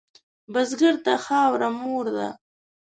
بزګر ته خاوره مور ده